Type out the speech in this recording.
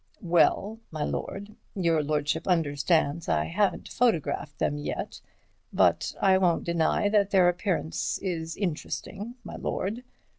"Well, my lord, your lordship understands I haven't photographed them yet, but I won't deny that their appearance is interesting, my lord.